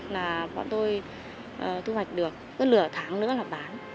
là bọn tôi thu hoạch được cứ lửa tháng nữa là bán